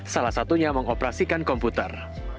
salah satunya mengoperasikan komputer